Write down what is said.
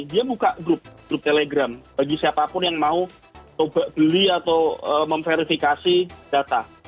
dia buka grup grup telegram bagi siapapun yang mau coba beli atau memverifikasi data